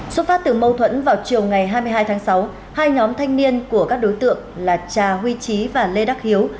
xuất phát từ mâu thuẫn vào chiều ngày hai mươi hai tháng sáu hai nhóm thanh niên của các đối tượng là cha huy trí và lê đắc hiếu